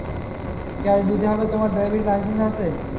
Cash দিতে হবে - তোমার ড্রাইভিং লাইসেন্স আছে?